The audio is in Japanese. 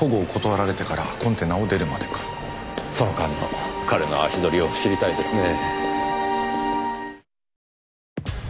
その間の彼の足取りを知りたいですねぇ。